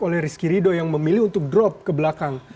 oleh rizky ridho yang memilih untuk drop ke belakang